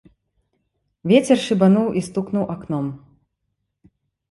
Вецер шыбануў і стукнуў акном.